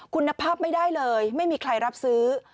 คุณภาพไม่ได้เลยไม่มีใครรับซื้อ